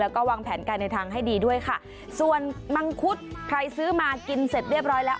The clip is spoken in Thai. แล้วก็วางแผนการในทางให้ดีด้วยค่ะส่วนมังคุดใครซื้อมากินเสร็จเรียบร้อยแล้ว